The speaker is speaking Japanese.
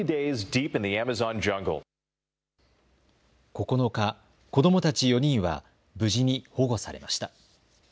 ９日、子どもたち４人は無事に保護されました。